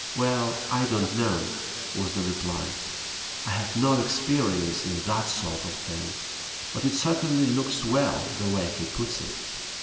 "Well, I don't know," was the reply. "I have no experience in that sort of thing, but it certainly looks well the way he puts it."